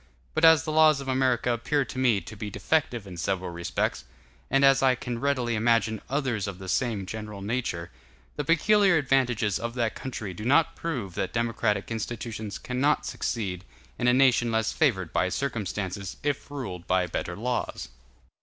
But as the laws of America appear to me to be defective in several respects, and as I can readily imagine others of the same general nature, the peculiar advantages of that country do not prove that democratic institutions cannot succeed in a nation less favored by circumstances, if ruled by better laws.